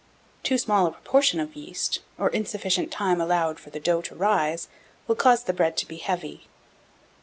1695. Too small a proportion of yeast, or insufficient time allowed for the dough to rise, will cause the bread to be heavy.